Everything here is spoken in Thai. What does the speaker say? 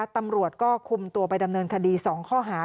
ตำรวจก็คุมตัวไปดำเนินคดี๒ข้อหา